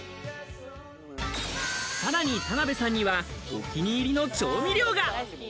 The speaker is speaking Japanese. さらに田辺さんには、お気に入りの調味料が。